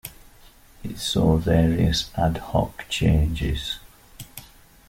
It saw various ad-hoc changes.